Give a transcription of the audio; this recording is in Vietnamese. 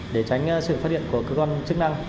để tránh sự phát hiện của cơ quan chức năng